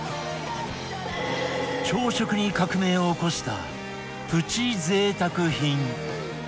朝食に革命を起こしたプチ贅沢品